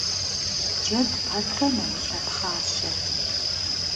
Джэд пэтрэ мэулъэпхъащэ.